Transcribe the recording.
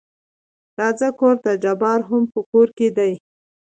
راځه کورته جبار هم په کور کې دى.